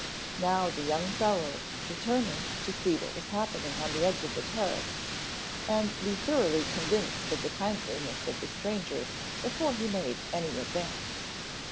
Now the young fellow determined to see what was happening on the edge of the terrace and be thoroughly convinced of the kindliness of the stranger before he made any advance.